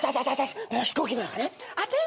飛行機の中ね。